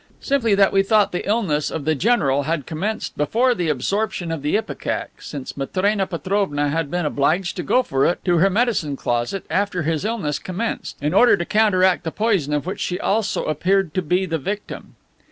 Simply that we thought the illness of the general had commenced before the absorption of the ipecac, since Matrena Petrovna had been obliged to go for it to her medicine closet after his illness commenced, in order to counteract the poison of which she also appeared to be the victim.